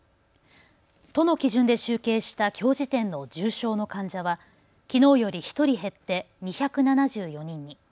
都の基準で集計したきょう時点の重症の患者はきのうより１人減って２７４人に。